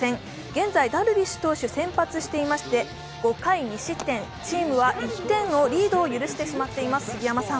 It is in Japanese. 現在、ダルビッシュ投手、先発していまして、５回２失点、チームは１点のリードを許してしまっています。